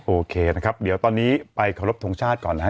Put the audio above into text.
โอเคนะครับเดี๋ยวตอนนี้ไปเคารพทงชาติก่อนนะฮะ